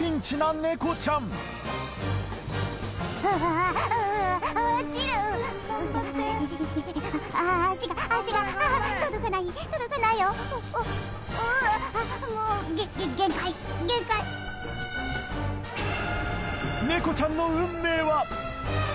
ネコちゃんの運命は？